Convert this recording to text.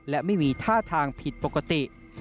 และไม่มีท่าทางผิดปกติ